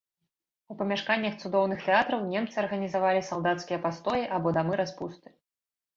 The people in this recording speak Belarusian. У памяшканнях цудоўных тэатраў немцы арганізавалі салдацкія пастоі або дамы распусты.